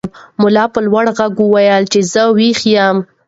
ملا په لوړ غږ وویل چې زه ویښ یم.